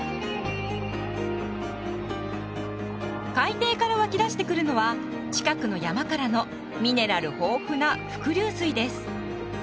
海底から湧き出してくるのは近くの山からのミネラル豊富な伏流水です。